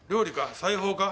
裁縫か？